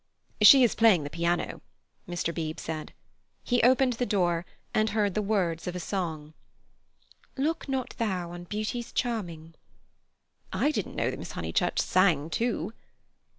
"She is playing the piano," Mr. Beebe said. He opened the door, and heard the words of a song: "Look not thou on beauty's charming." "I didn't know that Miss Honeychurch sang, too."